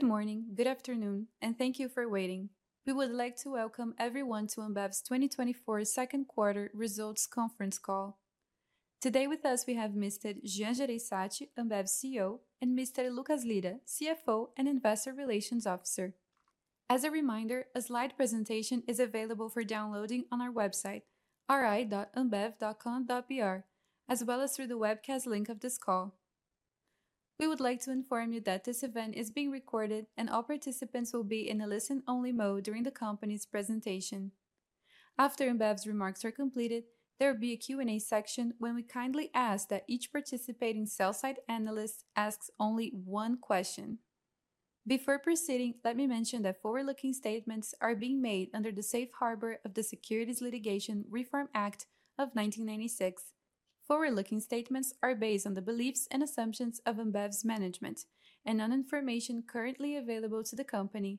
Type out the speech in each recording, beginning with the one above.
Good morning, good afternoon, and thank you for waiting. We would like to welcome everyone to Ambev's 2024 second quarter results conference call. Today with us we have Mr. Jean Jereissati, Ambev CEO, and Mr. Lucas Lira, CFO and Investor Relations Officer. As a reminder, a slide presentation is available for downloading on our website, ri.ambev.com.br, as well as through the webcast link of this call. We would like to inform you that this event is being recorded and all participants will be in a listen-only mode during the company's presentation. After Ambev's remarks are completed, there will be a Q&A section when we kindly ask that each participating sell-side analyst ask only one question. Before proceeding, let me mention that forward-looking statements are being made under the Safe Harbor of the Securities Litigation Reform Act of 1996. Forward-looking statements are based on the beliefs and assumptions of Ambev's management and on information currently available to the company.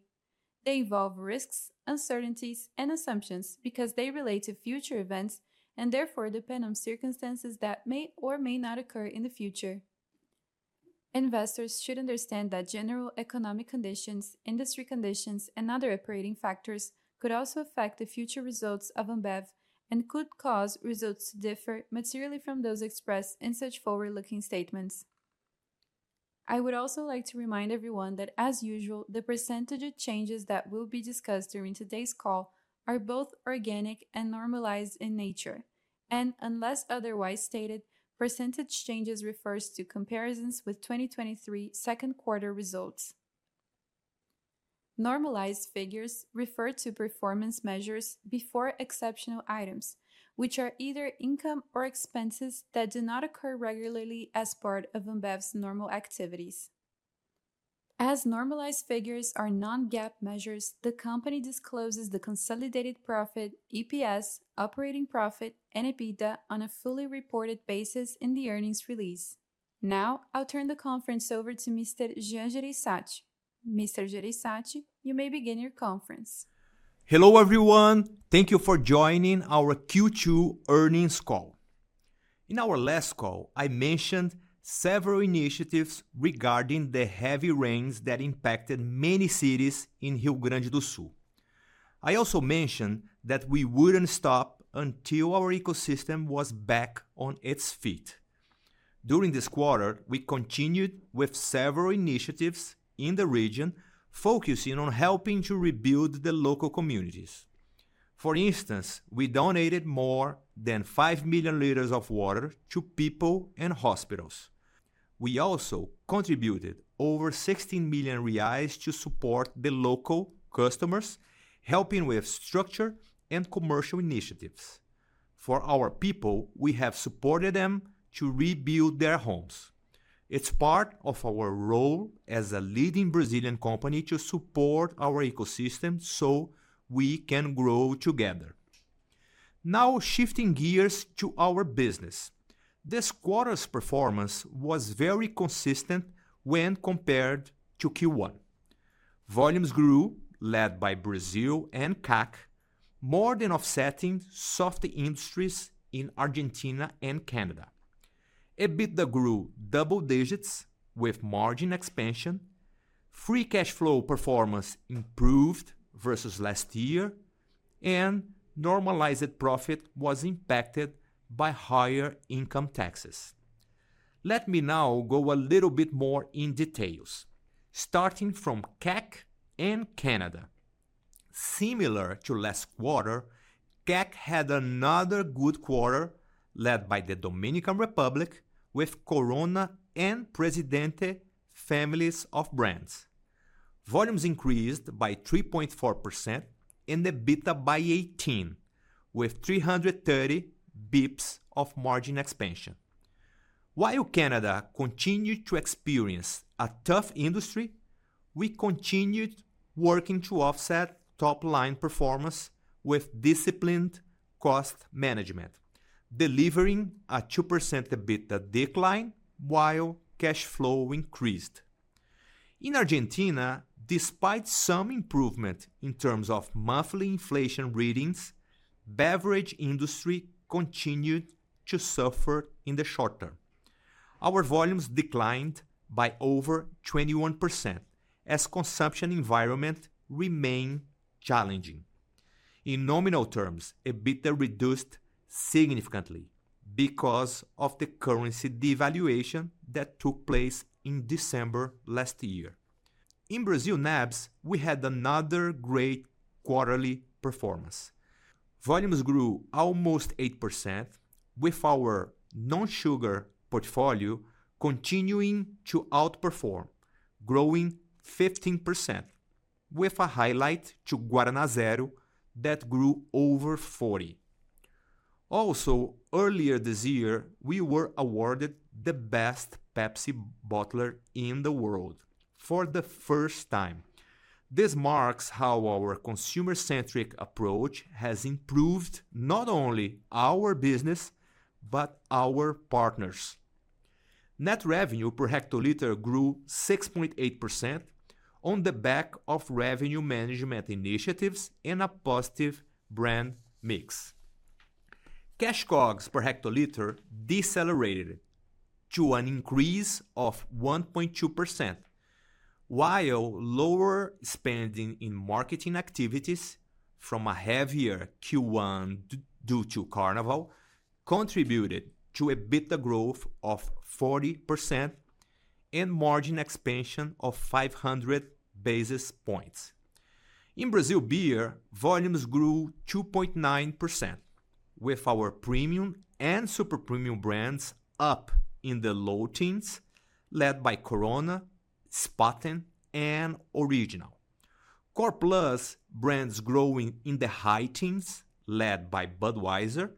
They involve risks, uncertainties, and assumptions because they relate to future events and therefore depend on circumstances that may or may not occur in the future. Investors should understand that general economic conditions, industry conditions, and other operating factors could also affect the future results of Ambev and could cause results to differ materially from those expressed in such forward-looking statements. I would also like to remind everyone that, as usual, the percentage of changes that will be discussed during today's call are both organic and normalized in nature, and unless otherwise stated, percentage changes refer to comparisons with 2023 second quarter results. Normalized figures refer to performance measures before exceptional items, which are either income or expenses that do not occur regularly as part of Ambev's normal activities. As normalized figures are non-GAAP measures, the company discloses the Consolidated Profit (EPS) operating profit and EBITDA on a fully reported basis in the earnings release. Now, I'll turn the conference over to Mr. Jean Jereissati. Mr. Jereissati, you may begin your conference. Hello everyone, thank you for joining our Q2 earnings call. In our last call, I mentioned several initiatives regarding the heavy rains that impacted many cities in Rio Grande do Sul. I also mentioned that we wouldn't stop until our ecosystem was back on its feet. During this quarter, we continued with several initiatives in the region, focusing on helping to rebuild the local communities. For instance, we donated more than 5 million liters of water to people and hospitals. We also contributed over 16 million reais to support the local customers, helping with structure and commercial initiatives. For our people, we have supported them to rebuild their homes. It's part of our role as a leading Brazilian company to support our ecosystem so we can grow together. Now, shifting gears to our business. This quarter's performance was very consistent when compared to Q1. Volumes grew, led by Brazil and CAC, more than offsetting soft industries in Argentina and Canada. EBITDA grew double digits with margin expansion. Free cash flow performance improved versus last year, and normalized profit was impacted by higher income taxes. Let me now go a little bit more in details, starting from CAC and Canada. Similar to last quarter, CAC had another good quarter, led by the Dominican Republic, with Corona and Presidente families of brands. Volumes increased by 3.4% and EBITDA by 18%, with 330 basis points of margin expansion. While Canada continued to experience a tough industry, we continued working to offset top-line performance with disciplined cost management, delivering a 2% EBITDA decline while cash flow increased. In Argentina, despite some improvement in terms of monthly inflation readings, beverage industry continued to suffer in the short term. Our volumes declined by over 21% as consumption environment remained challenging. In nominal terms, EBITDA reduced significantly because of the currency devaluation that took place in December last year. In Brazil NABs, we had another great quarterly performance. Volumes grew almost 8%, with our non-sugar portfolio continuing to outperform, growing 15%, with a highlight to Guaraná Zero that grew over 40%. Also, earlier this year, we were awarded the Best Pepsi Bottler in the world for the first time. This marks how our consumer-centric approach has improved not only our business but our partners. Net revenue per hectoliter grew 6.8% on the back of revenue management initiatives and a positive brand mix. Cash COGS per hectoliter decelerated to an increase of 1.2%, while lower spending in marketing activities from a heavier Q1 due to Carnival contributed to EBITDA growth of 40% and margin expansion of 500 basis points. In Brazil beer, volumes grew 2.9%, with our premium and super premium brands up in the low teens, led by Corona, Spaten, and Original. Core Plus brands growing in the high teens, led by Budweiser,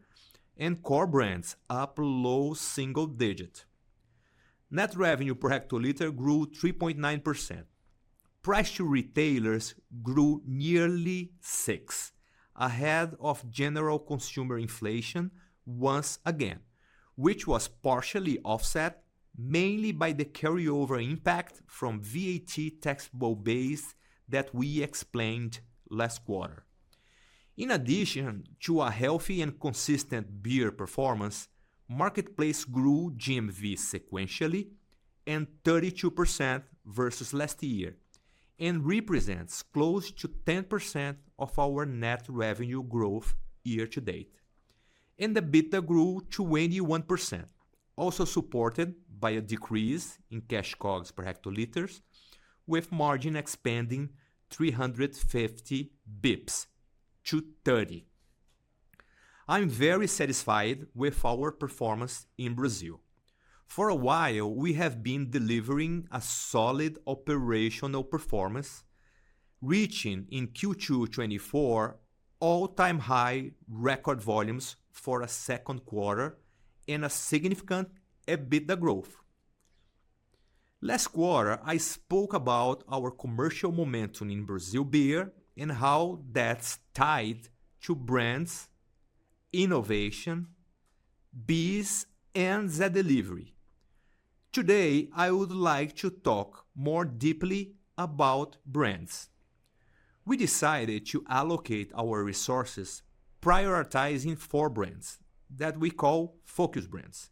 and core brands up low single digits. Net revenue per hectoliter grew 3.9%. Price to retailers grew nearly 6%, ahead of general consumer inflation once again, which was partially offset mainly by the carryover impact from VAT taxable base that we explained last quarter. In addition to a healthy and consistent beer performance, marketplace grew GMV sequentially and 32% versus last year, and represents close to 10% of our net revenue growth year to date. EBITDA grew 21%, also supported by a decrease in cash COGS per hectoliters, with margin expanding 350 basis points to 30%. I'm very satisfied with our performance in Brazil. For a while, we have been delivering a solid operational performance, reaching in Q2 2024 all-time high record volumes for a second quarter and a significant EBITDA growth. Last quarter, I spoke about our commercial momentum in Brazil beer and how that's tied to brands, innovation, BEES, and Zé Delivery. Today, I would like to talk more deeply about brands. We decided to allocate our resources, prioritizing four brands that we call focus brands.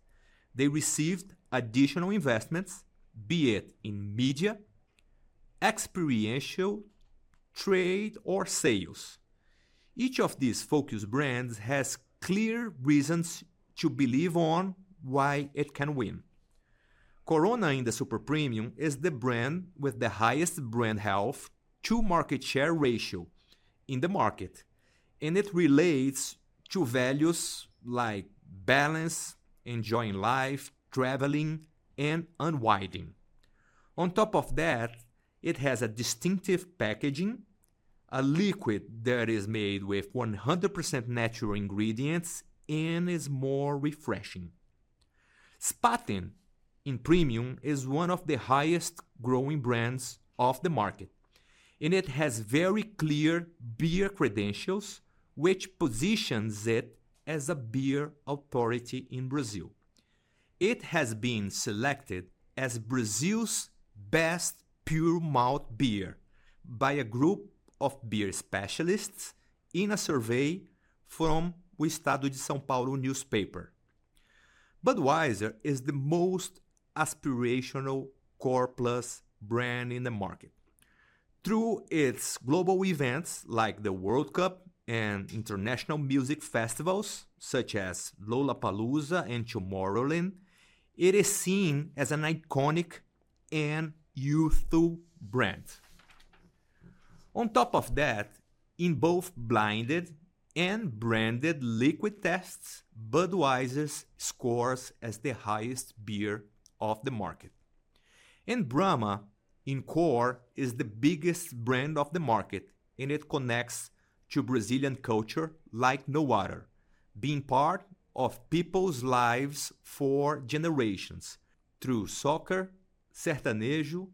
They received additional investments, be it in media, experiential, trade, or sales. Each of these focus brands has clear reasons to believe on why it can win. Corona in the super premium is the brand with the highest brand health to market share ratio in the market, and it relates to values like balance, enjoying life, traveling, and unwinding. On top of that, it has a distinctive packaging, a liquid that is made with 100% natural ingredients and is more refreshing. Spaten in premium is one of the highest growing brands of the market, and it has very clear beer credentials, which positions it as a beer authority in Brazil. It has been selected as Brazil's best pure malt beer by a group of beer specialists in a survey from O Estado de São Paulo newspaper. Budweiser is the most aspirational Core Plus brand in the market. Through its global events like the World Cup and international music festivals such as Lollapalooza and Tomorrowland, it is seen as an iconic and youthful brand. On top of that, in both blinded and branded liquid tests, Budweiser scores as the highest beer of the market. Brahma in core is the biggest brand of the market, and it connects to Brazilian culture like no other, being part of people's lives for generations through soccer, sertanejo,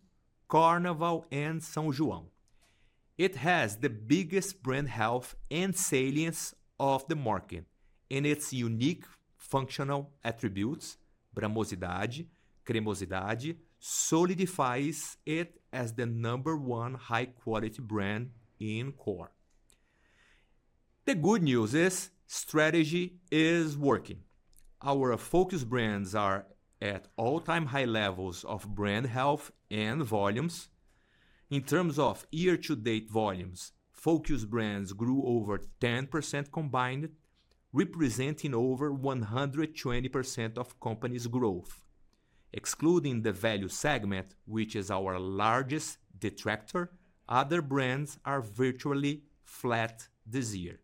Carnaval, and São João. It has the biggest brand health and salience of the market, and its unique functional attributes, bramosidade, cremosidade, solidifies it as the number one high-quality brand in core. The good news is strategy is working. Our focus brands are at all-time high levels of brand health and volumes. In terms of year-to-date volumes, focus brands grew over 10% combined, representing over 120% of companies' growth. Excluding the value segment, which is our largest detractor, other brands are virtually flat this year.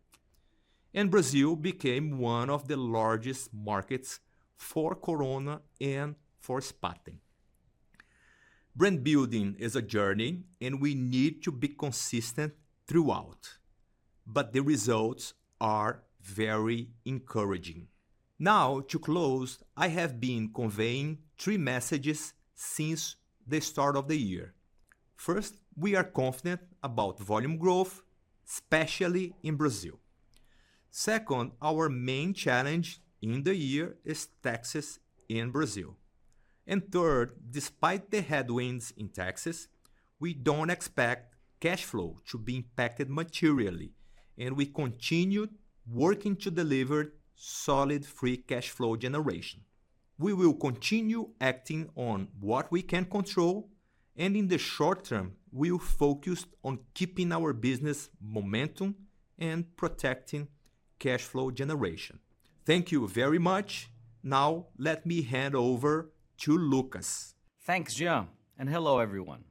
Brazil became one of the largest markets for Corona and for Spaten. Brand building is a journey, and we need to be consistent throughout, but the results are very encouraging. Now, to close, I have been conveying three messages since the start of the year. First, we are confident about volume growth, especially in Brazil. Second, our main challenge in the year is taxes and Brazil. And third, despite the headwinds in taxes, we don't expect cash flow to be impacted materially, and we continue working to deliver solid free cash flow generation. We will continue acting on what we can control, and in the short term, we will focus on keeping our business momentum and protecting cash flow generation. Thank you very much. Now, let me hand over to Lucas. Thanks, Jean, and hello everyone.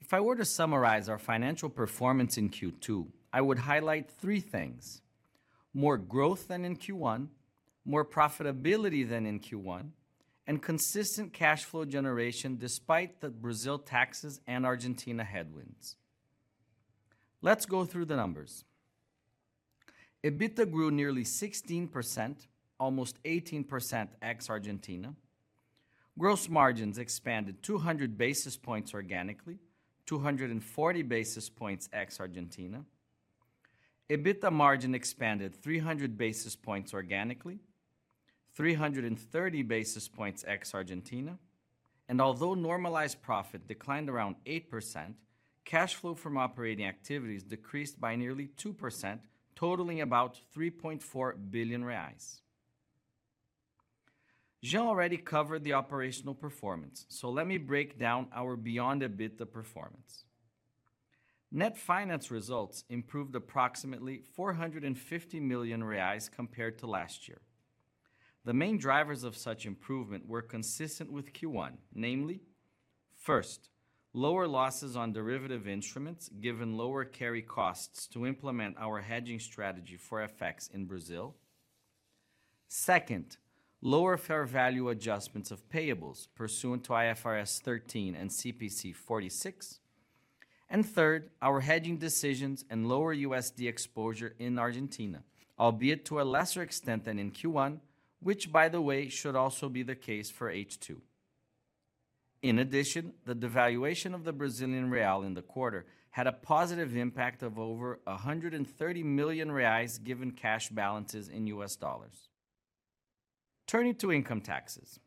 If I were to summarize our financial performance in Q2, I would highlight three things: more growth than in Q1, more profitability than in Q1, and consistent cash flow generation despite the Brazil taxes and Argentina headwinds. Let's go through the numbers. EBITDA grew nearly 16%, almost 18% ex-Argentina. Gross margins expanded 200 basis points organically, 240 basis points ex-Argentina. EBITDA margin expanded 300 basis points organically, 330 basis points ex-Argentina. And although normalized profit declined around 8%, cash flow from operating activities decreased by nearly 2%, totaling about BRL 3.4 billion. Jean already covered the operational performance, so let me break down our beyond EBITDA performance. Net finance results improved approximately 450 million reais compared to last year. The main drivers of such improvement were consistent with Q1, namely: first, lower losses on derivative instruments given lower carry costs to implement our hedging strategy for FX in Brazil. Second, lower fair value adjustments of payables pursuant to IFRS 13 and CPC 46. And third, our hedging decisions and lower USD exposure in Argentina, albeit to a lesser extent than in Q1, which, by the way, should also be the case for H2. In addition, the devaluation of the Brazilian real in the quarter had a positive impact of over 130 million reais given cash balances in U.S. dollars. Turning to income taxes.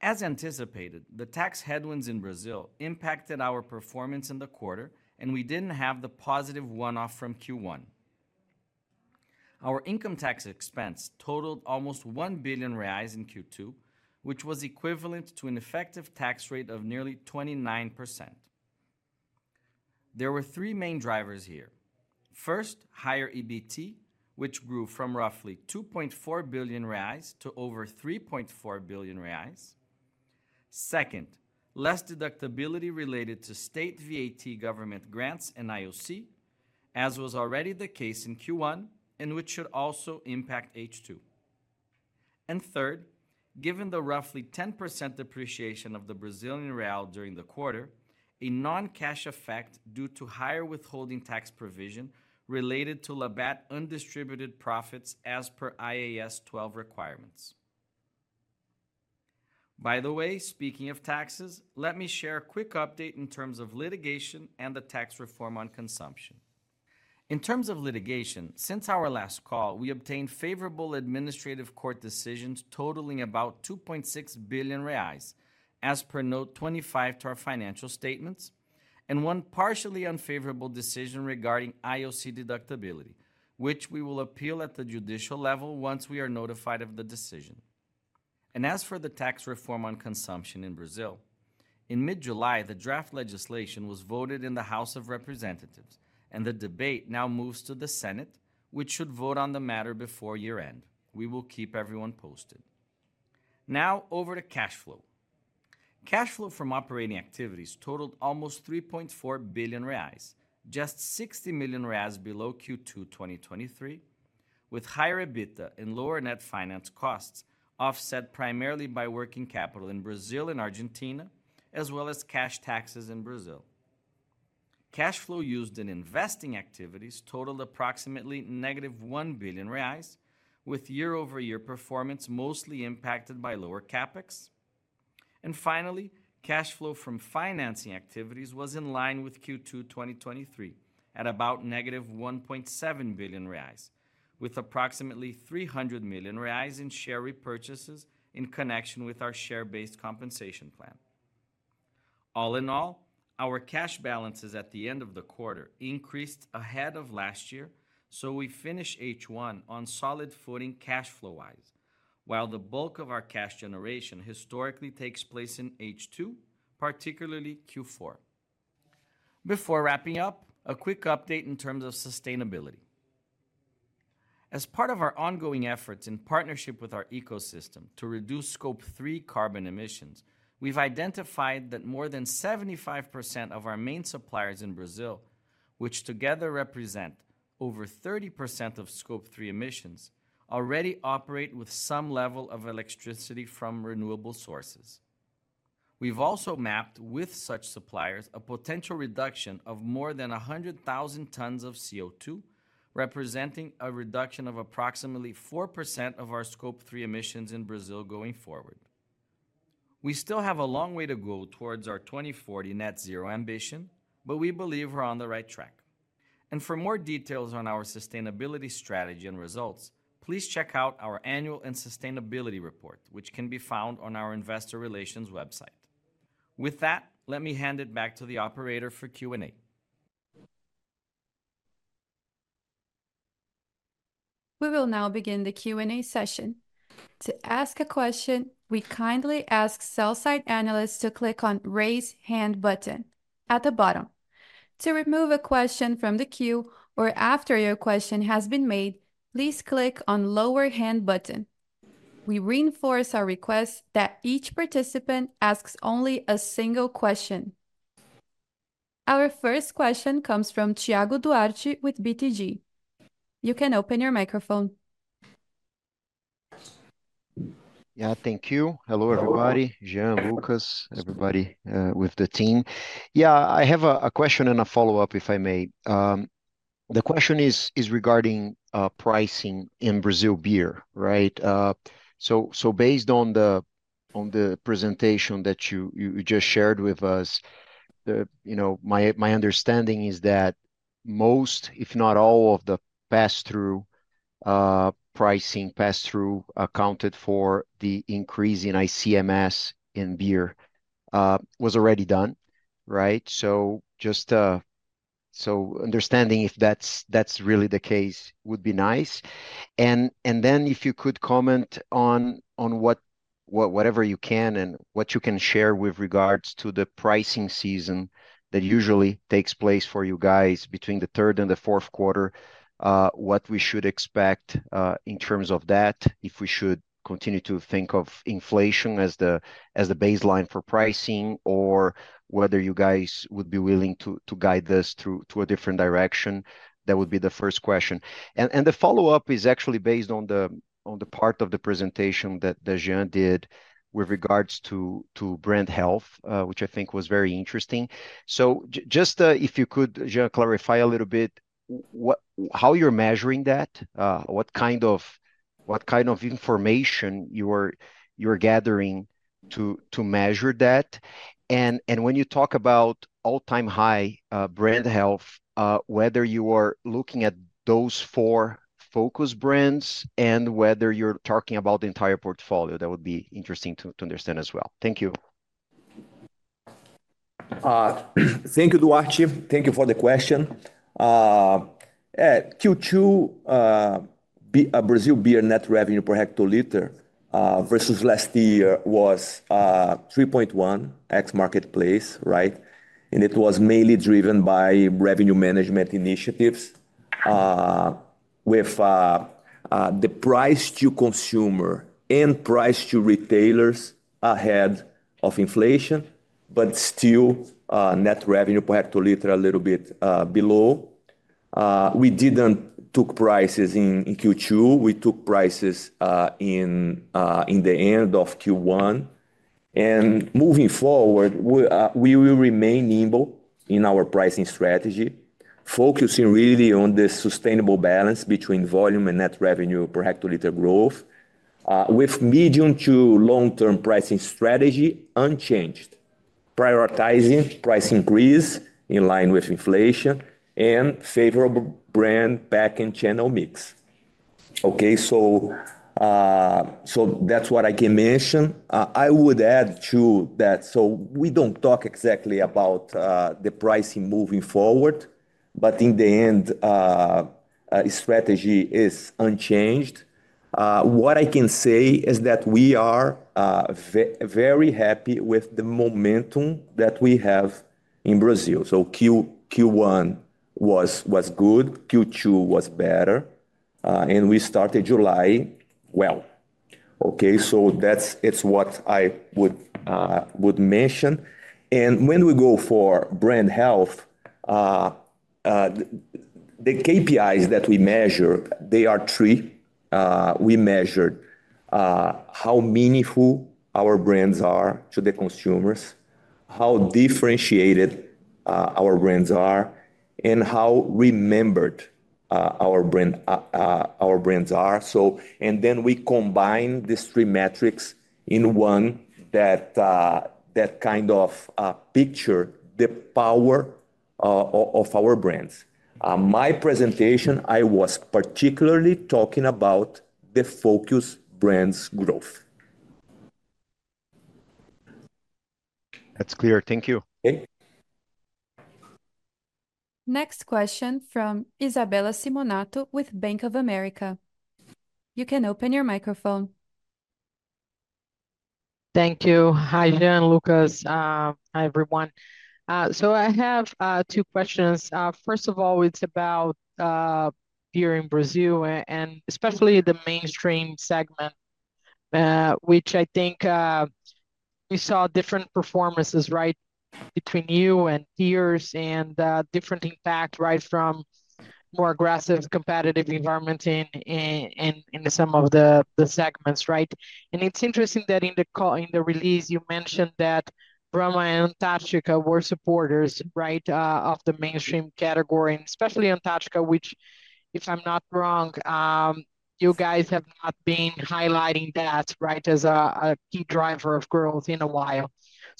As anticipated, the tax headwinds in Brazil impacted our performance in the quarter, and we didn't have the positive one-off from Q1. Our income tax expense totaled almost 1 billion reais in Q2, which was equivalent to an effective tax rate of nearly 29%. There were three main drivers here. First, higher EBT, which grew from roughly 2.4 billion reais to over 3.4 billion reais. Second, less deductibility related to state VAT government grants and IOC, as was already the case in Q1, and which should also impact H2. And third, given the roughly 10% depreciation of the Brazilian real during the quarter, a non-cash effect due to higher withholding tax provision related to Labatt undistributed profits as per IAS 12 requirements. By the way, speaking of taxes, let me share a quick update in terms of litigation and the tax reform on consumption. In terms of litigation, since our last call, we obtained favorable administrative court decisions totaling about 2.6 billion reais, as per note 25 to our financial statements, and one partially unfavorable decision regarding IOC deductibility, which we will appeal at the judicial level once we are notified of the decision. As for the tax reform on consumption in Brazil, in mid-July, the draft legislation was voted in the House of Representatives, and the debate now moves to the Senate, which should vote on the matter before year-end. We will keep everyone posted. Now, over to cash flow. Cash flow from operating activities totaled almost 3.4 billion reais, just 60 million reais below Q2 2023, with higher EBITDA and lower net finance costs offset primarily by working capital in Brazil and Argentina, as well as cash taxes in Brazil. Cash flow used in investing activities totaled approximately -1 billion reais, with year-over-year performance mostly impacted by lower CapEx. And finally, cash flow from financing activities was in line with Q2 2023 at about -1.7 billion reais, with approximately 300 million reais in share repurchases in connection with our share-based compensation plan. All in all, our cash balances at the end of the quarter increased ahead of last year, so we finish H1 on solid footing cash flow-wise, while the bulk of our cash generation historically takes place in H2, particularly Q4. Before wrapping up, a quick update in terms of sustainability. As part of our ongoing efforts in partnership with our ecosystem to reduce Scope 3 carbon emissions, we've identified that more than 75% of our main suppliers in Brazil, which together represent over 30% of Scope 3 emissions, already operate with some level of electricity from renewable sources. We've also mapped with such suppliers a potential reduction of more than 100,000 tons of CO2, representing a reduction of approximately 4% of our Scope 3 emissions in Brazil going forward. We still have a long way to go towards our 2040 net zero ambition, but we believe we're on the right track. For more details on our sustainability strategy and results, please check out our annual and sustainability report, which can be found on our investor relations website. With that, let me hand it back to the operator for Q&A. We will now begin the Q&A session. To ask a question, we kindly ask sell-side analysts to click on the raise hand button at the bottom. To remove a question from the queue or after your question has been made, please click on the lower hand button. We reinforce our request that each participant asks only a single question. Our first question comes from Thiago Duarte with BTG. You can open your microphone. Yeah, thank you. Hello, everybody. Jean, Lucas, everybody with the team. Yeah, I have a question and a follow-up, if I may. The question is regarding pricing in Brazil beer, right? So based on the presentation that you just shared with us, my understanding is that most, if not all, of the pass-through pricing pass-through accounted for the increase in ICMS in beer was already done, right? So just understanding if that's really the case would be nice. Then if you could comment on whatever you can and what you can share with regards to the pricing season that usually takes place for you guys between the third and the fourth quarter, what we should expect in terms of that, if we should continue to think of inflation as the baseline for pricing, or whether you guys would be willing to guide this to a different direction, that would be the first question. The follow-up is actually based on the part of the presentation that Jean did with regards to brand health, which I think was very interesting. Just if you could, Jean, clarify a little bit how you're measuring that, what kind of information you're gathering to measure that. When you talk about all-time high brand health, whether you are looking at those four focus brands and whether you're talking about the entire portfolio, that would be interesting to understand as well. Thank you. Thank you, Duarte. Thank you for the question. Q2, Brazil beer net revenue per hectoliter versus last year was 3.1 ex-marketplace, right? And it was mainly driven by revenue management initiatives with the price to consumer and price to retailers ahead of inflation, but still net revenue per hectoliter a little bit below. We didn't take prices in Q2. We took prices in the end of Q1. And moving forward, we will remain nimble in our pricing strategy, focusing really on the sustainable balance between volume and net revenue per hectoliter growth, with medium to long-term pricing strategy unchanged, prioritizing price increase in line with inflation and favorable brand back-end channel mix. Okay, so that's what I can mention. I would add to that, so we don't talk exactly about the pricing moving forward, but in the end, the strategy is unchanged. What I can say is that we are very happy with the momentum that we have in Brazil. Q1 was good. Q2 was better. And we started July. Well, okay, so that's what I would mention. And when we go for brand health, the KPIs that we measure, they are three. We measured how meaningful our brands are to the consumers, how differentiated our brands are, and how remembered our brands are. And then we combined these three metrics in one that kind of picture the power of our brands. My presentation, I was particularly talking about the focus brands growth. That's clear. Thank you. Okay. Next question from Isabella Simonato with Bank of America. You can open your microphone. Thank you. Hi, Jean, Lucas, hi, everyone. I have two questions. First of all, it's about beer in Brazil, and especially the mainstream segment, which I think we saw different performances right between you and peers and different impact right from more aggressive competitive environment in some of the segments, right? And it's interesting that in the release, you mentioned that Brahma and Antarctica were supporters, right, of the mainstream category, and especially Antarctica, which, if I'm not wrong, you guys have not been highlighting that, right, as a key driver of growth in a while.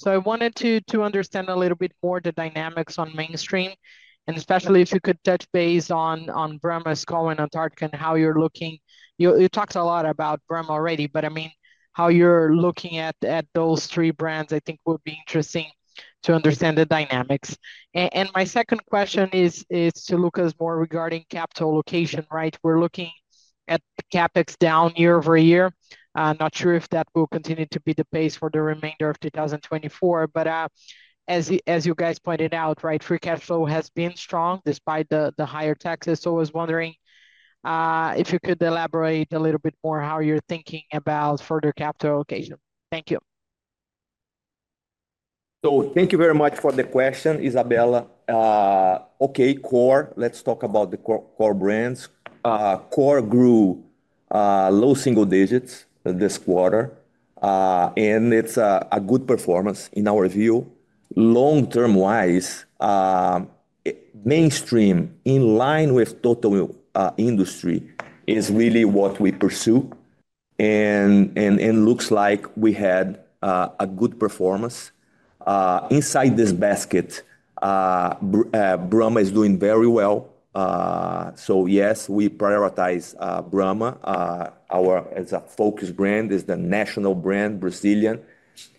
I wanted to understand a little bit more the dynamics on mainstream, and especially if you could touch base on Brahma, Skol, and Antarctica and how you're looking. You talked a lot about Brahma already, but I mean, how you're looking at those three brands, I think would be interesting to understand the dynamics. My second question is to Lucas more regarding capital allocation, right? We're looking at CapEx down year-over-year. Not sure if that will continue to be the pace for the remainder of 2024, but as you guys pointed out, right, free cash flow has been strong despite the higher taxes. So I was wondering if you could elaborate a little bit more how you're thinking about further capital allocation. Thank you. So thank you very much for the question, Isabella. Okay, core, let's talk about the core brands. Core grew low single digits this quarter, and it's a good performance in our view. Long-term-wise, mainstream in line with total industry is really what we pursue. And it looks like we had a good performance. Inside this basket, Brahma is doing very well. So yes, we prioritize Brahma. Our focus brand is the national brand, Brazilian.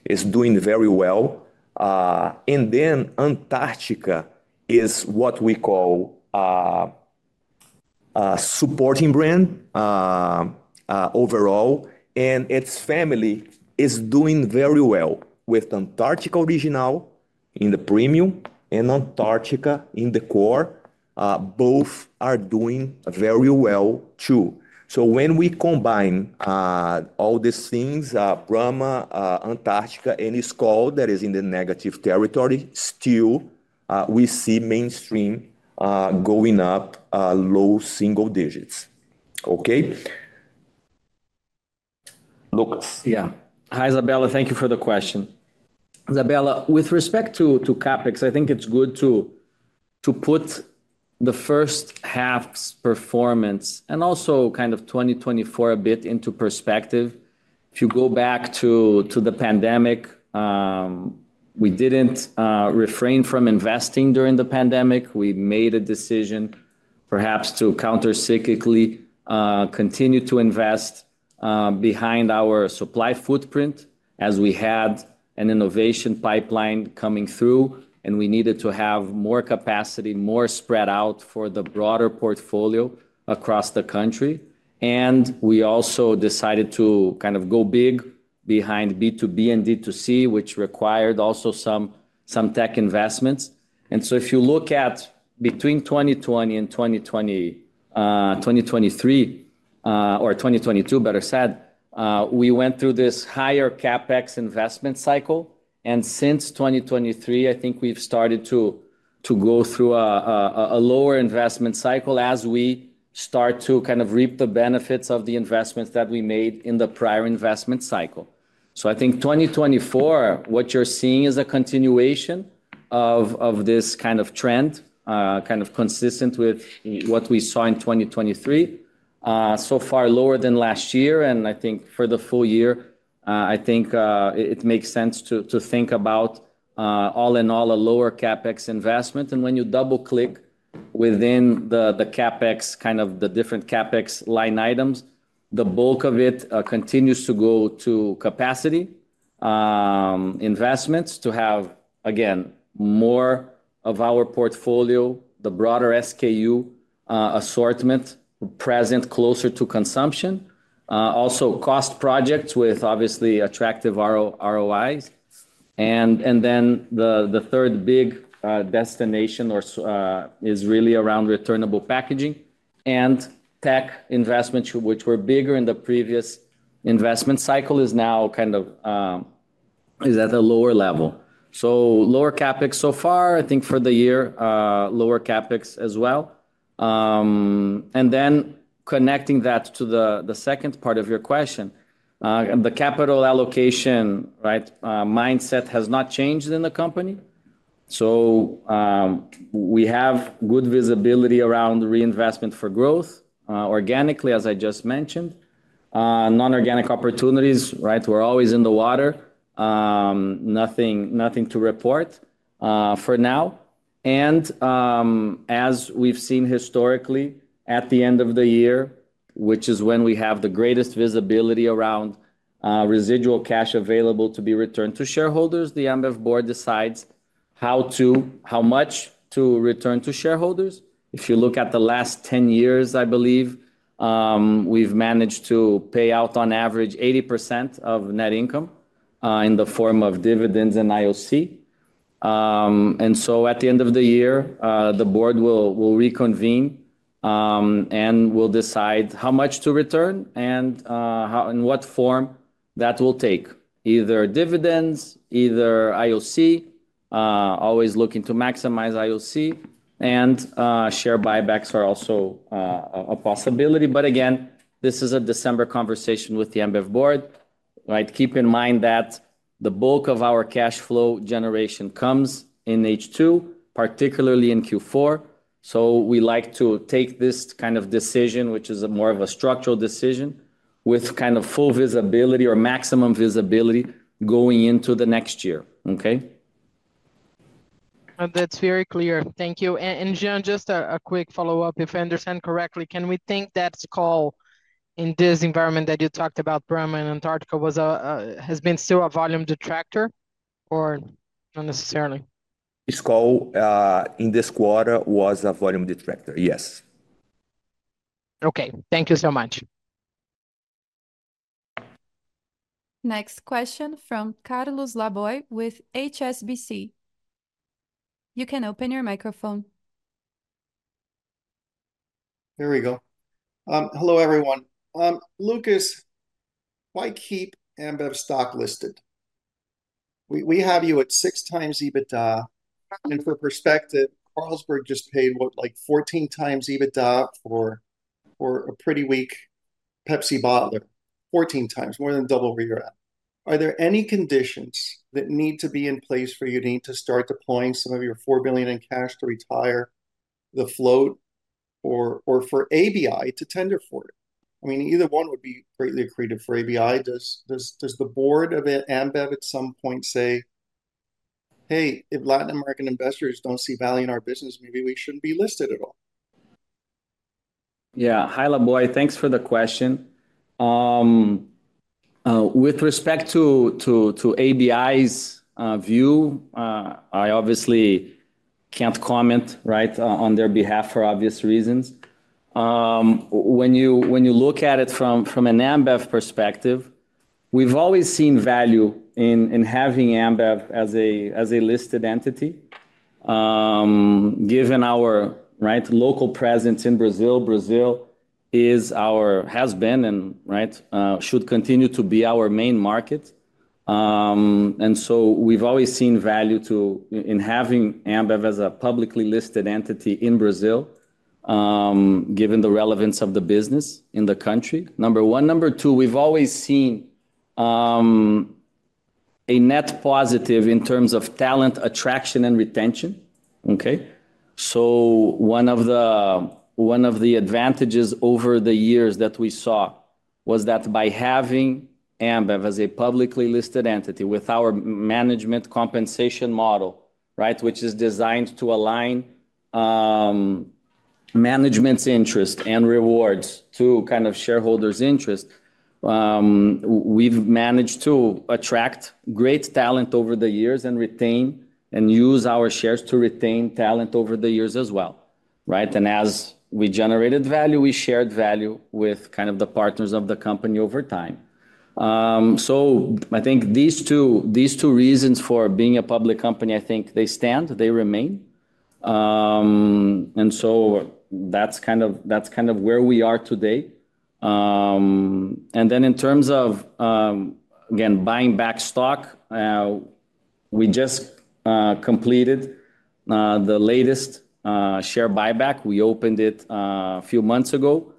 It's doing very well. And then Antarctica is what we call a supporting brand overall. And its family is doing very well with Antarctica Original in the premium and Antarctica in the core. Both are doing very well too. So when we combine all these things, Brahma, Antarctica, and Stella, that is in the negative territory, still we see mainstream going up low single digits. Okay? Lucas. Yeah. Hi, Isabella. Thank you for the question. Isabela, with respect to CapEx, I think it's good to put the first half's performance and also kind of 2024 a bit into perspective. If you go back to the pandemic, we didn't refrain from investing during the pandemic. We made a decision perhaps to countercyclically continue to invest behind our supply footprint as we had an innovation pipeline coming through, and we needed to have more capacity, more spread out for the broader portfolio across the country. And we also decided to kind of go big behind B2B and D2C, which required also some tech investments. And so if you look at between 2020 and 2023, or 2022, better said, we went through this higher CapEx investment cycle. Since 2023, I think we've started to go through a lower investment cycle as we start to kind of reap the benefits of the investments that we made in the prior investment cycle. I think 2024, what you're seeing is a continuation of this kind of trend, kind of consistent with what we saw in 2023. So far, lower than last year. I think for the full year, I think it makes sense to think about all in all a lower CapEx investment. When you double-click within the CapEx, kind of the different CapEx line items, the bulk of it continues to go to capacity investments to have, again, more of our portfolio, the broader SKU assortment present closer to consumption. Also, cost projects with obviously attractive ROIs. And then the third big destination is really around returnable packaging and tech investments, which were bigger in the previous investment cycle, is now kind of at a lower level. So lower CapEx so far, I think for the year, lower CapEx as well. And then connecting that to the second part of your question, the capital allocation mindset has not changed in the company. So we have good visibility around reinvestment for growth organically, as I just mentioned. Non-organic opportunities, right? We're always in the water. Nothing to report for now. And as we've seen historically, at the end of the year, which is when we have the greatest visibility around residual cash available to be returned to shareholders, the Ambev board decides how much to return to shareholders. If you look at the last 10 years, I believe we've managed to pay out on average 80% of net income in the form of dividends and IOC. And so at the end of the year, the board will reconvene and will decide how much to return and in what form that will take, either dividends, either IOC, always looking to maximize IOC. And share buybacks are also a possibility. But again, this is a December conversation with the Ambev board. Keep in mind that the bulk of our cash flow generation comes in H2, particularly in Q4. So we like to take this kind of decision, which is more of a structural decision, with kind of full visibility or maximum visibility going into the next year, okay? That's very clear. Thank you. And Jean, just a quick follow-up. If I understand correctly, can we think that Skol, in this environment that you talked about, Brahma and Antarctica, has been still a volume detractor or not necessarily? Skol in this quarter was a volume detractor, yes. Okay. Thank you so much. Next question from Carlos Laboy with HSBC. You can open your microphone. Here we go. Hello, everyone. Lucas, why keep Ambev stock listed? We have you at 6x EBITDA. For perspective, Carlsberg just paid what, like 14x EBITDA for a pretty weak Pepsi bottler. 14x, more than double where you're at. Are there any conditions that need to be in place for you to start deploying some of your $4 billion in cash to retire the float or for ABI to tender for it? I mean, either one would be greatly accretive for ABI. Does the board of Ambev at some point say, "Hey, if Latin American investors don't see value in our business, maybe we shouldn't be listed at all"? Yeah. Hi, Laboy. Thanks for the question. With respect to ABI's view, I obviously can't comment on their behalf for obvious reasons. When you look at it from an Ambev perspective, we've always seen value in having Ambev as a listed entity, given our local presence in Brazil. Brazil has been and should continue to be our main market. And so we've always seen value in having Ambev as a publicly listed entity in Brazil, given the relevance of the business in the country, number one. Number two, we've always seen a net positive in terms of talent attraction and retention. So one of the advantages over the years that we saw was that by having Ambev as a publicly listed entity with our management compensation model, which is designed to align management's interest and rewards to kind of shareholders' interest, we've managed to attract great talent over the years and retain and use our shares to retain talent over the years as well. And as we generated value, we shared value with kind of the partners of the company over time. So I think these two reasons for being a public company, I think they stand, they remain. And so that's kind of where we are today. And then in terms of, again, buying back stock, we just completed the latest share buyback. We opened it a few months ago.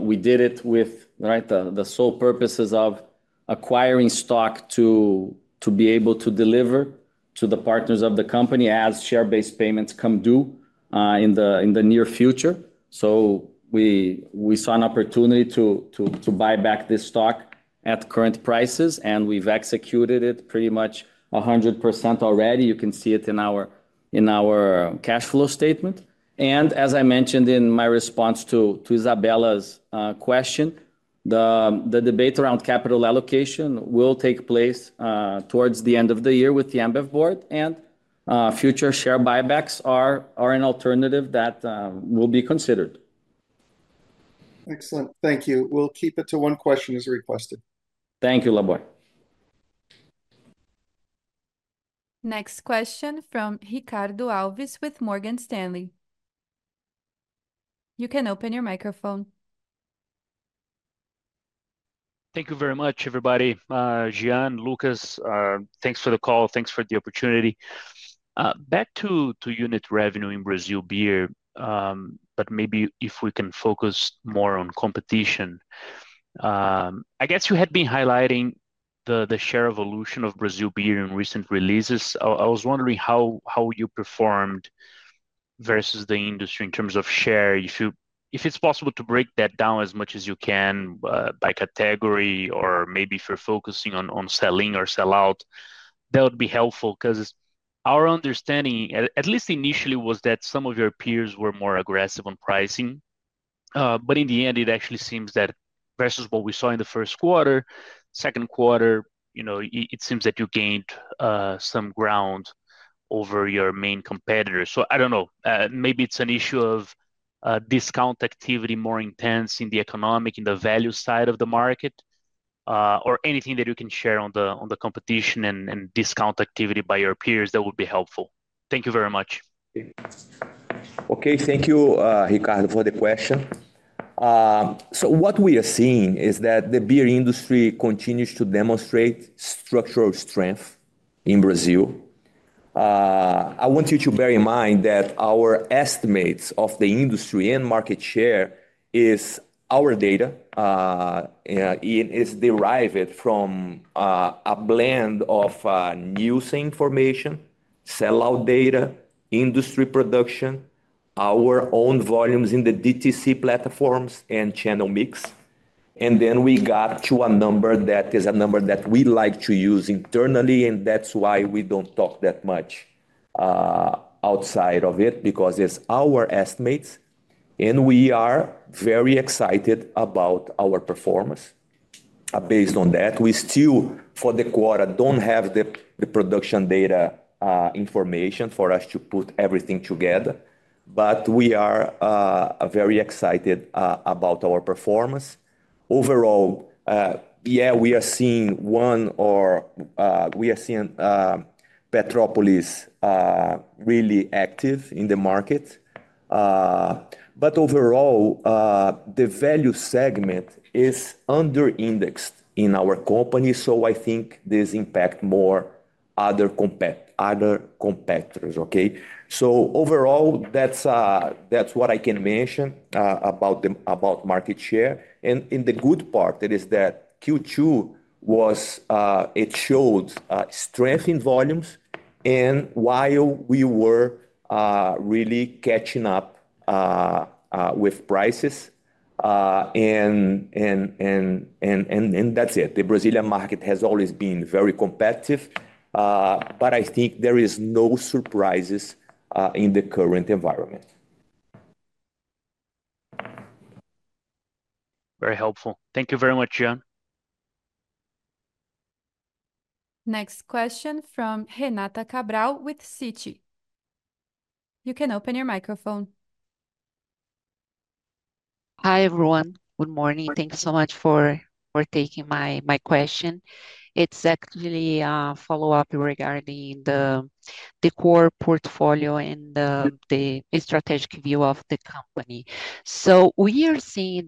We did it with the sole purposes of acquiring stock to be able to deliver to the partners of the company as share-based payments come due in the near future. So we saw an opportunity to buy back this stock at current prices, and we've executed it pretty much 100% already. You can see it in our cash flow statement. As I mentioned in my response to Isabela's question, the debate around capital allocation will take place towards the end of the year with the Ambev board, and future share buybacks are an alternative that will be considered. Excellent. Thank you. We'll keep it to one question as requested. Thank you, Laboy. Next question from Ricardo Alves with Morgan Stanley. You can open your microphone. Thank you very much, everybody. Jean, Lucas, thanks for the call. Thanks for the opportunity. Back to unit revenue in Brazil beer, but maybe if we can focus more on competition. I guess you had been highlighting the share evolution of Brazil beer in recent releases. I was wondering how you performed versus the industry in terms of share. If it's possible to break that down as much as you can by category or maybe if you're focusing on sell-in or sell-out, that would be helpful because our understanding, at least initially, was that some of your peers were more aggressive on pricing. But in the end, it actually seems that versus what we saw in the first quarter, second quarter, it seems that you gained some ground over your main competitor. So I don't know. Maybe it's an issue of discount activity more intense in the economic, in the value side of the market, or anything that you can share on the competition and discount activity by your peers that would be helpful. Thank you very much. Okay. Thank you, Ricardo, for the question. So what we are seeing is that the beer industry continues to demonstrate structural strength in Brazil. I want you to bear in mind that our estimates of the industry and market share is our data is derived from a blend of news information, sell-out data, industry production, our own volumes in the DTC platforms, and channel mix. And then we got to a number that is a number that we like to use internally, and that's why we don't talk that much outside of it because it's our estimates. And we are very excited about our performance based on that. We still, for the quarter, don't have the production data information for us to put everything together, but we are very excited about our performance. Overall, yeah, we are seeing one or we are seeing Petrópolis really active in the market. Overall, the value segment is under-indexed in our company. I think this impacts more other competitors. Overall, that's what I can mention about market share. The good part is that Q2 showed strength in volumes while we were really catching up with prices. That's it. The Brazilian market has always been very competitive, but I think there are no surprises in the current environment. Very helpful. Thank you very much, Jean. Next question from Renata Cabral with Citi. You can open your microphone. Hi, everyone. Good morning. Thank you so much for taking my question. It's actually a follow-up regarding the core portfolio and the strategic view of the company. So we are seeing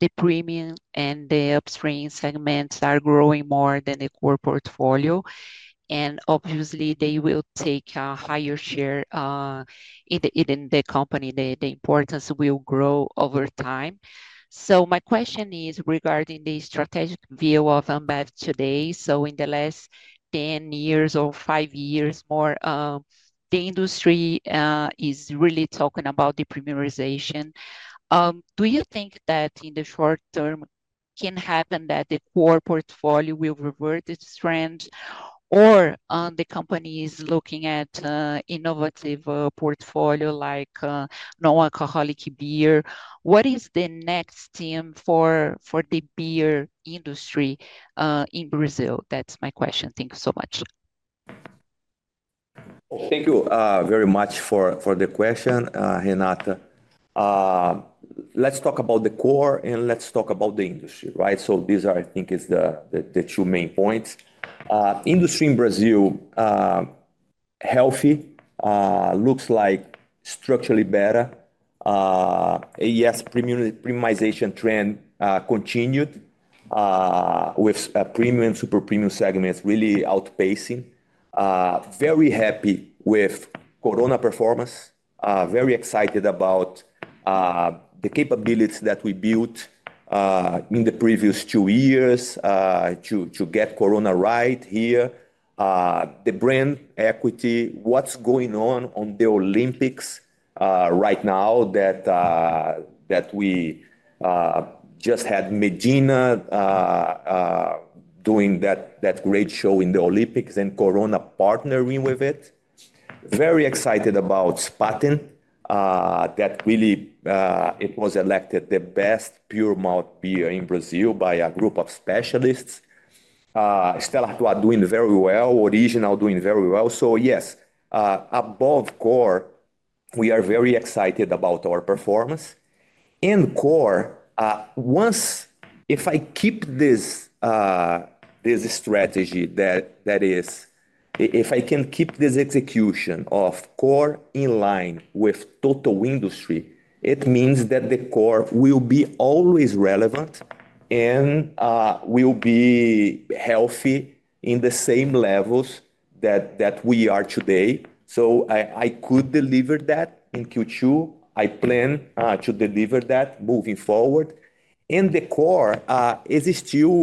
that the premium and the upstream segments are growing more than the core portfolio. And obviously, they will take a higher share in the company. The importance will grow over time. So my question is regarding the strategic view of Ambev today. So in the last 10 years or 5 years, the industry is really talking about the premiumization. Do you think that in the short term can happen that the core portfolio will revert its trend, or the company is looking at an innovative portfolio like non-alcoholic beer? What is the next step for the beer industry in Brazil? That's my question. Thank you so much. Thank you very much for the question, Renata. Let's talk about the core and let's talk about the industry. So these are, I think, the two main points. Industry in Brazil, healthy, looks like structurally better. As premiumization trend continued with premium and super premium segments really outpacing. Very happy with Corona performance. Very excited about the capabilities that we built in the previous two years to get Corona right here. The brand equity, what's going on on the Olympics right now that we just had Medina doing that great show in the Olympics and Corona partnering with it. Very excited about Spaten that really it was elected the best pure malt beer in Brazil by a group of specialists. Stella Artois doing very well. Original doing very well. So yes, above core, we are very excited about our performance. Core, if I keep this strategy that is, if I can keep this execution of core in line with total industry, it means that the core will be always relevant and will be healthy in the same levels that we are today. So I could deliver that in Q2. I plan to deliver that moving forward. The core is still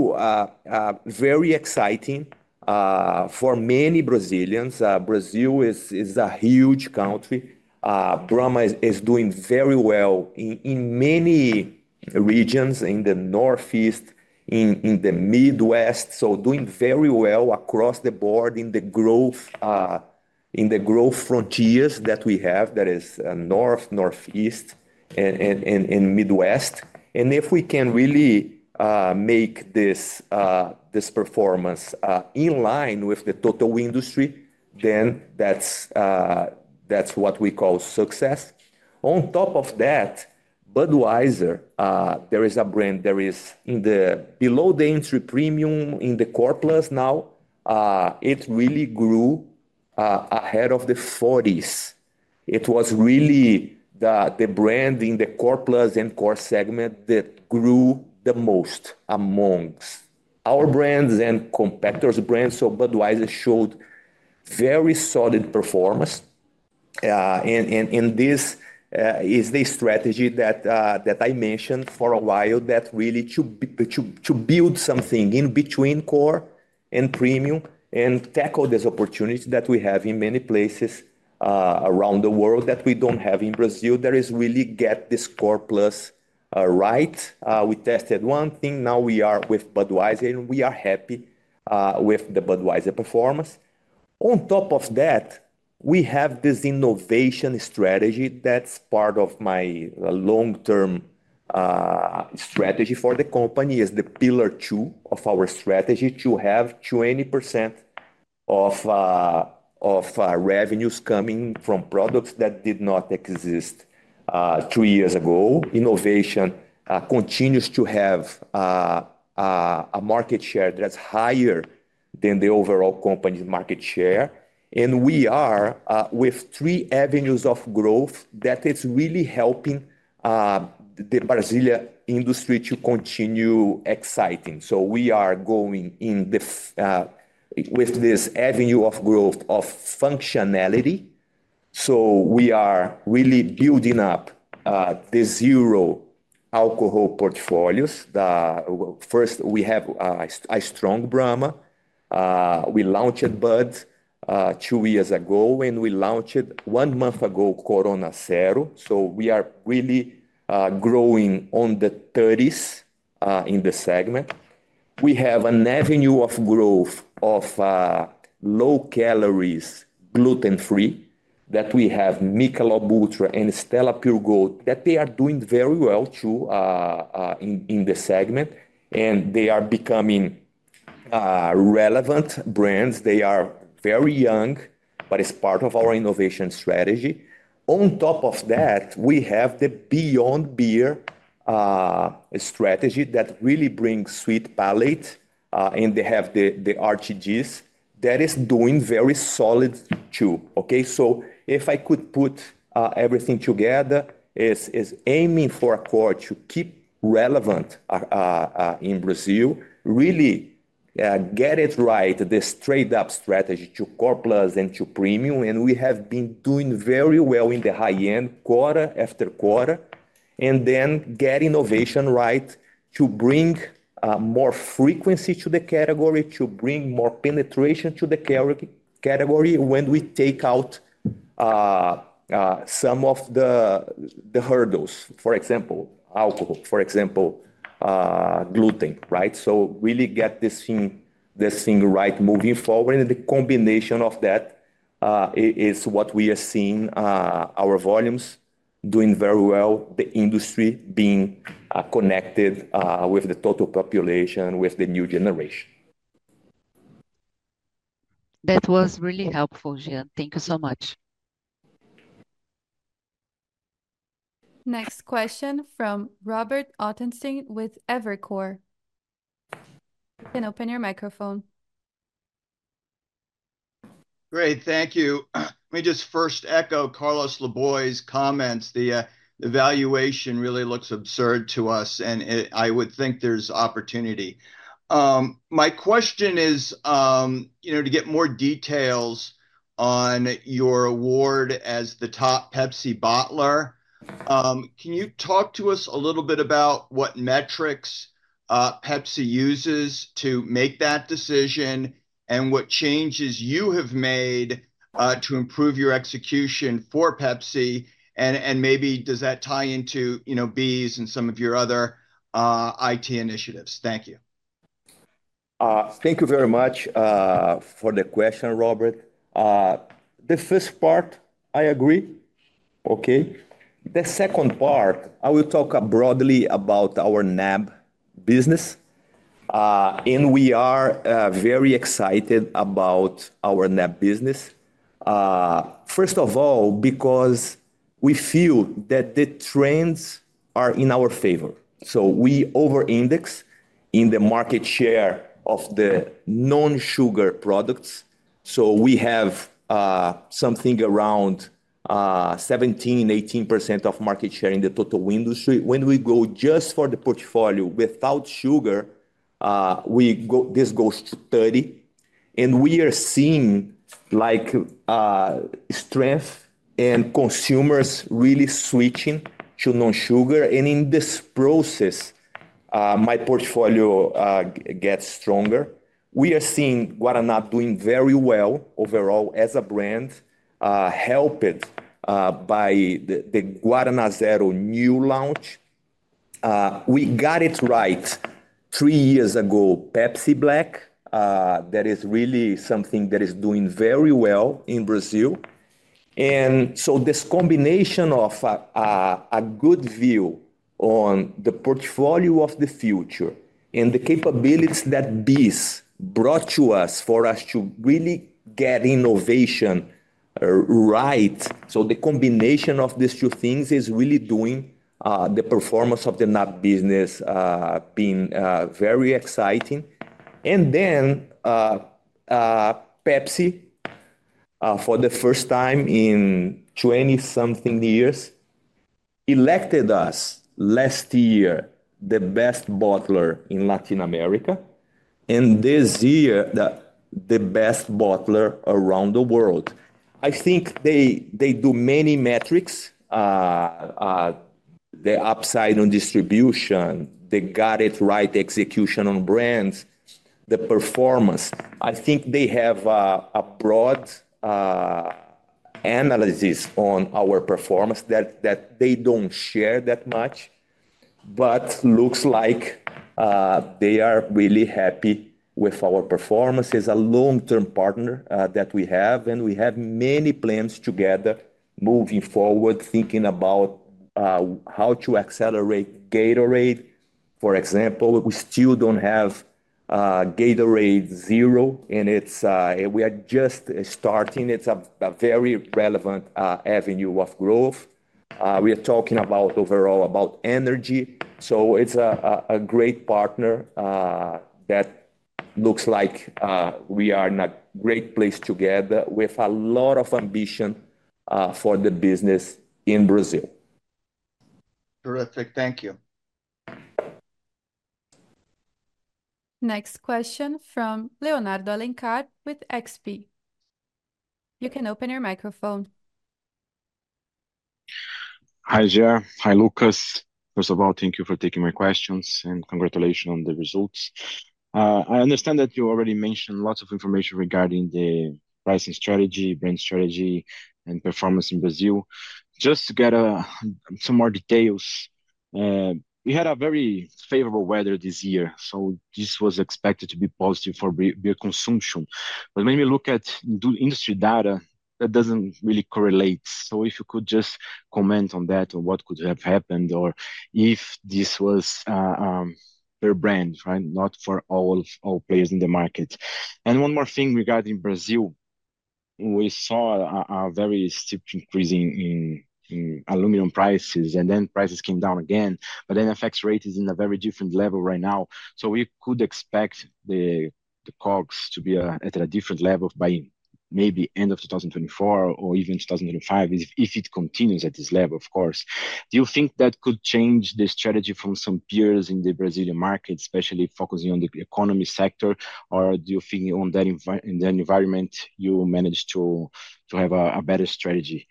very exciting for many Brazilians. Brazil is a huge country. Brahma is doing very well in many regions in the Northeast, in the Midwest, so doing very well across the board in the growth frontiers that we have that is North, Northeast, and Midwest. If we can really make this performance in line with the total industry, then that's what we call success. On top of that, Budweiser, there is a brand that is below the entry premium in the core plus now. It really grew ahead of the 40s. It was really the brand in the Core Plus and core segment that grew the most among our brands and competitors' brands. So Budweiser showed very solid performance. And this is the strategy that I mentioned for a while that really to build something in between core and premium and tackle this opportunity that we have in many places around the world that we don't have in Brazil that is really get this Core Plus right. We tested one thing. Now we are with Budweiser and we are happy with the Budweiser performance. On top of that, we have this innovation strategy that's part of my long-term strategy for the company is the pillar two of our strategy to have 20% of revenues coming from products that did not exist two years ago. Innovation continues to have a market share that's higher than the overall company's market share. We are with three avenues of growth that is really helping the Brazilian industry to continue exciting. We are going with this avenue of growth of functionality. We are really building up the zero alcohol portfolios. First, we have a strong Brahma. We launched Bud 2 years ago and we launched Corona Zero 1 month ago. We are really growing on the 30s in the segment. We have an avenue of growth of low calories, gluten-free that we have Michelob Ultra and Stella Pure Gold that they are doing very well too in the segment. They are becoming relevant brands. They are very young, but it's part of our innovation strategy. On top of that, we have the Beyond Beer strategy that really brings sweet palate and they have the RTDs that is doing very solid too. So if I could put everything together, it's aiming for a core to keep relevant in Brazil, really get it right, this straight-up strategy to core plus and to premium. And we have been doing very well in the high-end quarter-after-quarter. And then get innovation right to bring more frequency to the category, to bring more penetration to the category when we take out some of the hurdles, for example, alcohol, for example, gluten. So really get this thing right moving forward. And the combination of that is what we are seeing our volumes doing very well, the industry being connected with the total population with the new generation. That was really helpful, Jean. Thank you so much. Next question from Robert Ottenstein with Evercore. You can open your microphone. Great. Thank you. Let me just first echo Carlos Laboy's comments. The valuation really looks absurd to us, and I would think there's opportunity. My question is to get more details on your award as the top Pepsi bottler. Can you talk to us a little bit about what metrics Pepsi uses to make that decision and what changes you have made to improve your execution for Pepsi? And maybe does that tie into BEES and some of your other IT initiatives? Thank you. Thank you very much for the question, Robert. The first part, I agree. The second part, I will talk broadly about our NAB business. We are very excited about our NAB business. First of all, because we feel that the trends are in our favor. We over-index in the market share of the non-sugar products. We have something around 17%-18% of market share in the total industry. When we go just for the portfolio without sugar, this goes to 30%. We are seeing strength and consumers really switching to non-sugar. In this process, my portfolio gets stronger. We are seeing Guaraná doing very well overall as a brand, helped by the Guaraná Zero new launch. We got it right three years ago, Pepsi Black, that is really something that is doing very well in Brazil. This combination of a good view on the portfolio of the future and the capabilities that BEES brought to us for us to really get innovation right. So the combination of these two things is really doing the performance of the NAB business being very exciting. And then Pepsi, for the first time in 20-something years, elected us last year the best bottler in Latin America. And this year, the best bottler around the world. I think they do many metrics, the upside on distribution, the got it right execution on brands, the performance. I think they have a broad analysis on our performance that they don't share that much, but looks like they are really happy with our performance. It's a long-term partner that we have. And we have many plans together moving forward, thinking about how to accelerate Gatorade. For example, we still don't have Gatorade Zero, and we are just starting. It's a very relevant avenue of growth. We are talking overall about energy. So it's a great partner that looks like we are in a great place together with a lot of ambition for the business in Brazil. Terrific. Thank you. Next question from Leonardo Alencar with XP. You can open your microphone. Hi there. Hi Lucas. First of all, thank you for taking my questions and congratulations on the results. I understand that you already mentioned lots of information regarding the pricing strategy, brand strategy, and performance in Brazil. Just to get some more details, we had a very favorable weather this year, so this was expected to be positive for beer consumption. But when we look at industry data, that doesn't really correlate. So if you could just comment on that, what could have happened or if this was per brand, not for all players in the market. And one more thing regarding Brazil, we saw a very steep increase in aluminum prices, and then prices came down again. But then the exchange rate is in a very different level right now. We could expect the COGS to be at a different level by maybe end of 2024 or even 2025 if it continues at this level, of course. Do you think that could change the strategy from some peers in the Brazilian market, especially focusing on the economy sector, or do you think in that environment you managed to have a better strategy?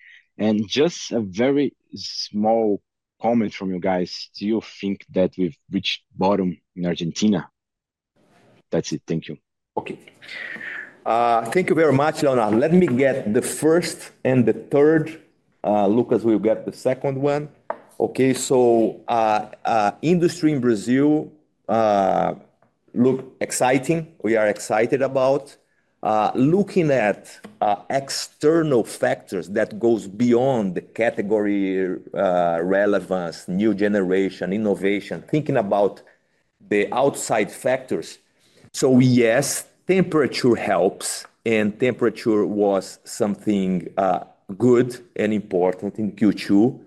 Just a very small comment from you guys. Do you think that we've reached bottom in Argentina? That's it. Thank you. Okay. Thank you very much, Leonardo. Let me get the first and the third. Lucas, we'll get the second one. So industry in Brazil looks exciting. We are excited about looking at external factors that go beyond the category relevance, new generation, innovation, thinking about the outside factors. So yes, temperature helps, and temperature was something good and important in Q2,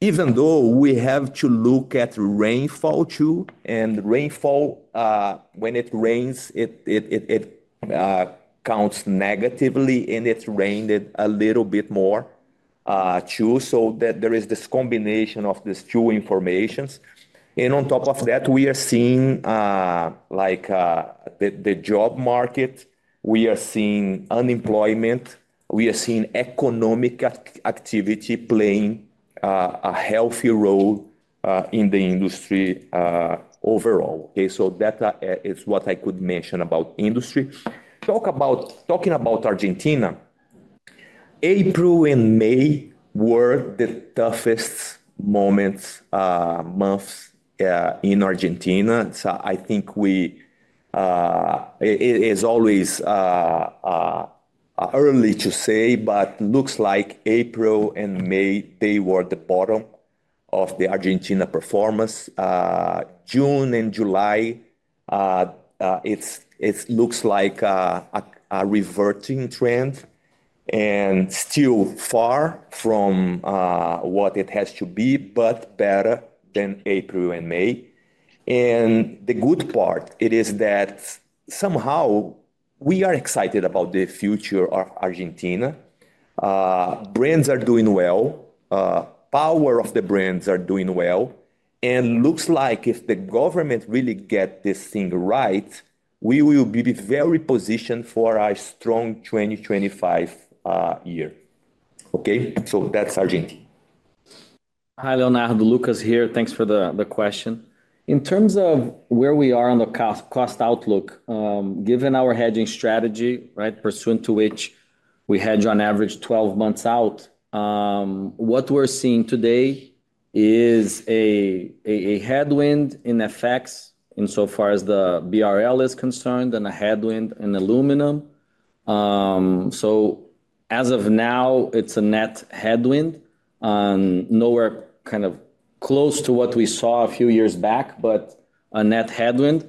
even though we have to look at rainfall too. And rainfall, when it rains, it counts negatively, and it rained a little bit more too. So there is this combination of these two information. And on top of that, we are seeing the job market. We are seeing unemployment. We are seeing economic activity playing a healthy role in the industry overall. So that is what I could mention about industry. Talking about Argentina, April and May were the toughest months in Argentina. So, I think it is always early to say, but looks like April and May, they were the bottom of the Argentina performance. June and July, it looks like a reverting trend and still far from what it has to be, but better than April and May. And the good part is that somehow we are excited about the future of Argentina. Brands are doing well. Power of the brands are doing well. And looks like if the government really gets this thing right, we will be very positioned for a strong 2025 year. So that's Argentina. Hi, Leonardo. Lucas here. Thanks for the question. In terms of where we are on the cost outlook, given our hedging strategy, pursuant to which we hedge on average 12 months out, what we're seeing today is a headwind effects insofar as the BRL is concerned and a headwind in aluminum. So as of now, it's a net headwind. Nowhere kind of close to what we saw a few years back, but a net headwind.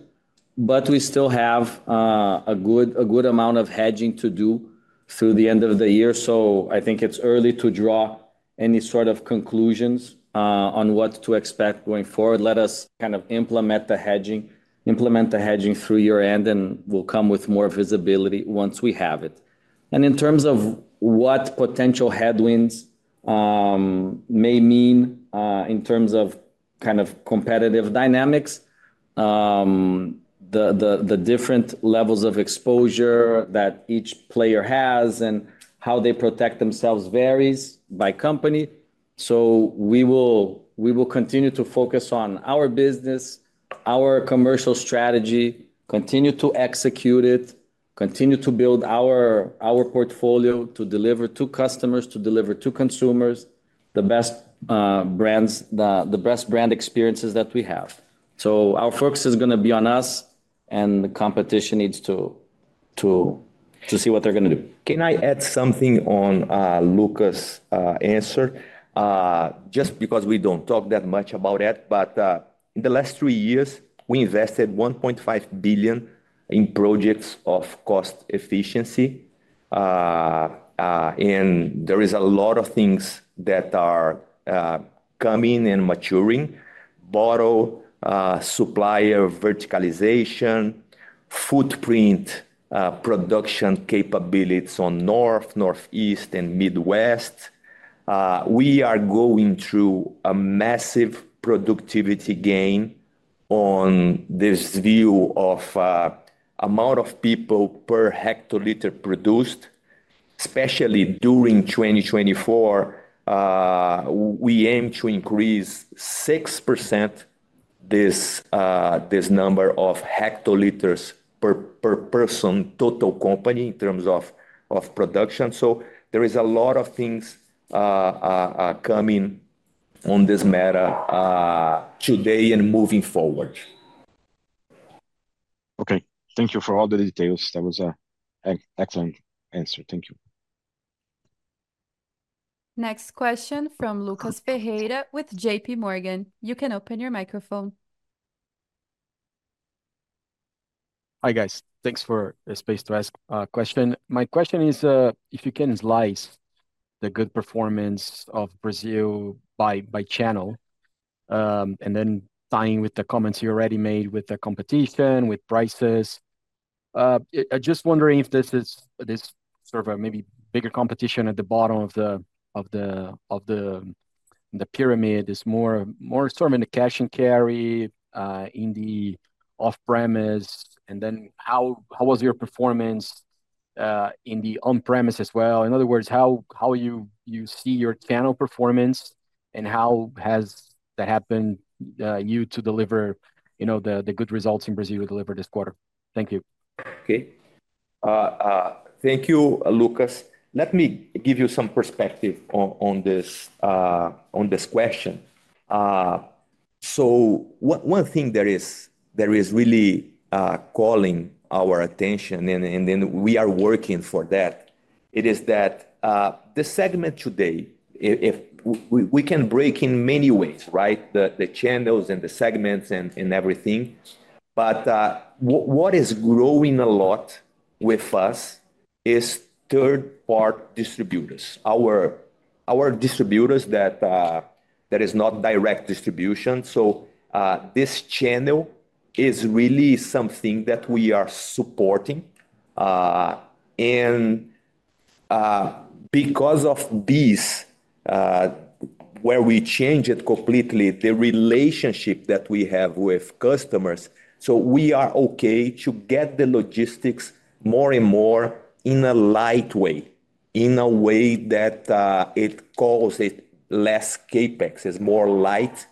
But we still have a good amount of hedging to do through the end of the year. So I think it's early to draw any sort of conclusions on what to expect going forward. Let us kind of implement the hedging through year-end, and we'll come with more visibility once we have it. In terms of what potential headwinds may mean in terms of kind of competitive dynamics, the different levels of exposure that each player has and how they protect themselves varies by company. We will continue to focus on our business, our commercial strategy, continue to execute it, continue to build our portfolio to deliver to customers, to deliver to consumers the best brand experiences that we have. Our focus is going to be on us, and the competition needs to see what they're going to do. Can I add something on Lucas' answer? Just because we don't talk that much about it, but in the last three years, we invested 1.5 billion in projects of cost efficiency. There are a lot of things that are coming and maturing: bottle, supplier verticalization, footprint, production capabilities on North, Northeast, and Midwest. We are going through a massive productivity gain on this view of the amount of people per hectoliter produced, especially during 2024. We aim to increase 6% this number of hectoliters per person total company in terms of production. There are a lot of things coming on this matter today and moving forward. Okay. Thank you for all the details. That was an excellent answer. Thank you. Next question from Lucas Ferreira with JPMorgan. You can open your microphone. Hi guys. Thanks for the space to ask a question. My question is if you can slice the good performance of Brazil by channel and then tying with the comments you already made with the competition, with prices. I'm just wondering if this is sort of a maybe bigger competition at the bottom of the pyramid. It's more sort of in the cash and carry, in the off-premise. And then how was your performance in the on-premise as well? In other words, how you see your channel performance and how has that helped you to deliver the good results in Brazil you delivered this quarter? Thank you. Okay. Thank you, Lucas. Let me give you some perspective on this question. So one thing that is really calling our attention, and then we are working for that, is that the segment today, we can break in many ways, the channels and the segments and everything. But what is growing a lot with us is third-party distributors, our distributors that is not direct distribution. So this channel is really something that we are supporting. And because of BEES, where we changed it completely, the relationship that we have with customers, so we are okay to get the logistics more and more in a light way, in a way that it calls it less CapEx, it's more light.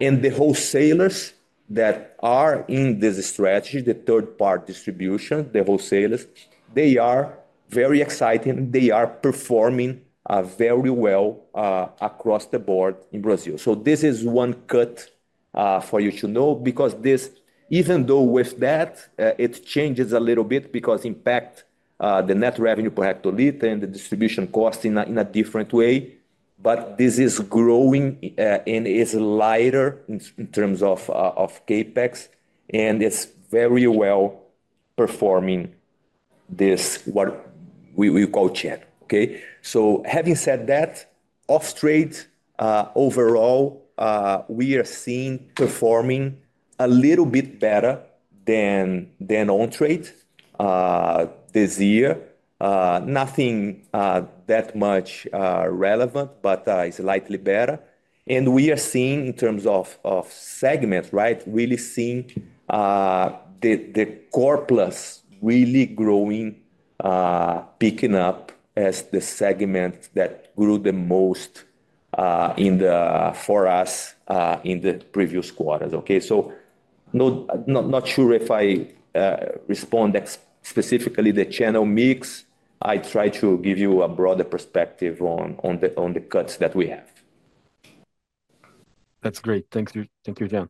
And the wholesalers that are in this strategy, the third-party distribution, the wholesalers, they are very exciting. They are performing very well across the board in Brazil. So this is one cut for you to know because this, even though with that, it changes a little bit because it impacts the net revenue per hectoliter and the distribution cost in a different way. But this is growing and is lighter in terms of CapEx, and it's very well performing this what we call [CHED. So having said that, off-trade overall, we are seeing performing a little bit better than on-trade this year. Nothing that much relevant, but it's slightly better. And we are seeing in terms of segments, really seeing the core plus really growing, picking up as the segment that grew the most for us in the previous quarters. So not sure if I respond specifically to the channel mix. I tried to give you a broader perspective on the cuts that we have. That's great. Thank you, Jean.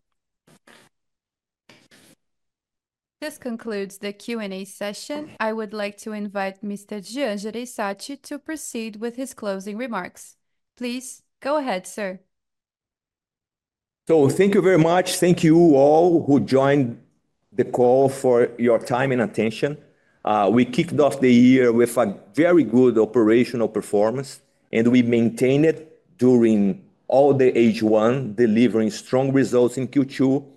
This concludes the Q&A session. I would like to invite Mr. Jean Jereissati to proceed with his closing remarks. Please go ahead, sir. So thank you very much. Thank you all who joined the call for your time and attention. We kicked off the year with a very good operational performance, and we maintained it during all the H1 delivering strong results in Q2.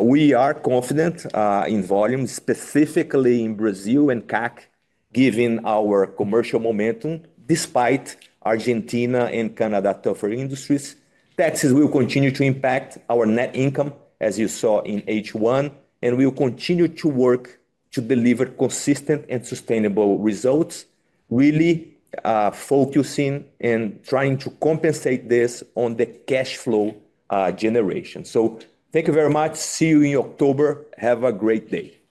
We are confident in volume, specifically in Brazil and CAC, given our commercial momentum despite Argentina and Canada tougher industries. Taxes will continue to impact our net income, as you saw in H1, and we'll continue to work to deliver consistent and sustainable results, really focusing and trying to compensate this on the cash flow generation. So thank you very much. See you in October. Have a great day.